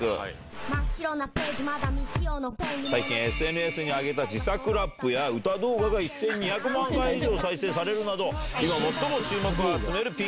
真っ白なページ、ＳＮＳに上げた自作ラップや歌動画が、１２００万回以上再生されるなど、今、最も注目を集めるピン